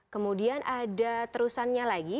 kemudian ada terusannya lagi